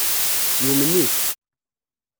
Yumen-it.